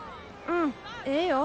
うんええよ。